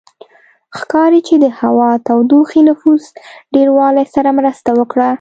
ښکاري چې د هوا تودوخې نفوس ډېروالي سره مرسته وکړه